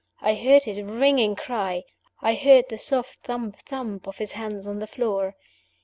I heard his ringing cry; I heard the soft thump thump of his hands on the floor.